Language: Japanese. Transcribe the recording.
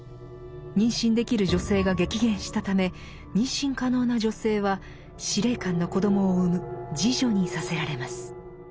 妊娠できる女性が激減したため妊娠可能な女性は司令官の子どもを産む「侍女」にさせられます。